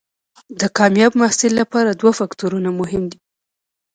د کامیاب محصل لپاره دوه فکتورونه مهم دي.